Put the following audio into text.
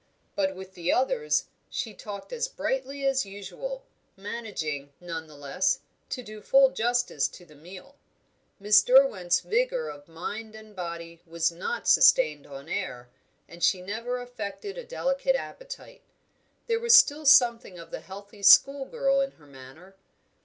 But with the others she talked as brightly as usual, managing, none the less, to do full justice to the meal. Miss Derwent's vigour of mind and body was not sustained on air, and she never affected a delicate appetite. There was still something of the healthy schoolgirl in her manner.